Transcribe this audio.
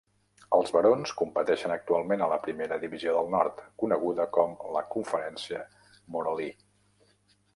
Els barons competeixen actualment a la Primera Divisió del Nord, coneguda com la "Conferència Moralee".